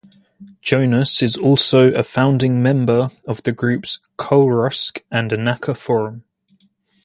Jonas is also a founding member of the groups Kullrusk and Nacka Forum.